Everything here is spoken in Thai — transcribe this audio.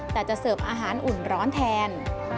แต่จะเสิร์ฟอาหารอุ่นร้อนแทน